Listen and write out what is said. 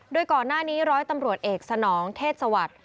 โดยก่อนหน้านี้ร้อยตำรวจเอกสนองเทศสวัสดิ์